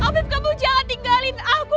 afif kamu jangan tinggalin aku